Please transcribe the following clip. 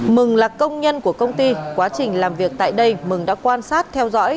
mừng là công nhân của công ty quá trình làm việc tại đây mừng đã quan sát theo dõi